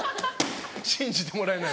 信じてもらえない。